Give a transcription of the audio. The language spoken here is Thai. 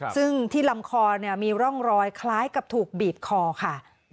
ซึ่งที่ลำคอมีร่องรอยคล้ายกับถูกบีบคอค่ะ